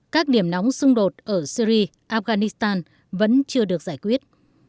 các điểm nóng xung đột ở syri afghanistan vẫn chưa được giải quyết